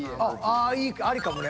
ああありかもね。